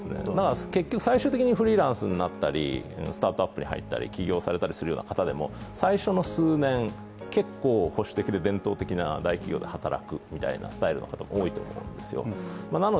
結局、最終的にフリーランスになったりスタートアップに入ったり、起業されたりするような方でも、最初の数年、結構、保守的で伝統的な大企業で働くみたいなスタイルの人も多いと思うんですよ。